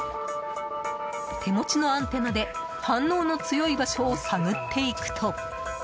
手持ちのアンテナで反応の強い場所を探っていくと。